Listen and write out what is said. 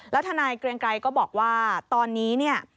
แล้วทนายเกรียงไกรก็บอกว่าตอนนี้เนี่ย